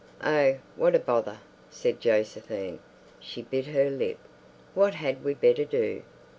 "Oh, what a bother!" said Josephine. She bit her lip. "What had we better do?"